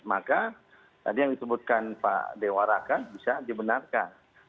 maka tadi yang disebutkan pak dewa raka bisa dibenarkan